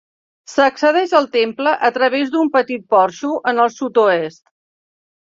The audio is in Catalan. S'accedeix al temple a través d'un petit porxo en el sud-oest.